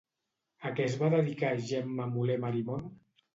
A què es va dedicar Gemma Moler Marimon?